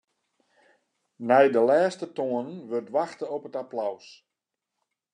Nei de lêste toanen wurdt wachte op it applaus.